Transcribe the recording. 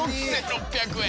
６，６００円！